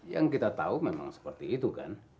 yang kita tahu memang seperti itu kan